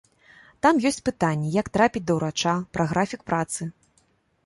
Там ёсць пытанні, як трапіць да ўрача, пра графік працы.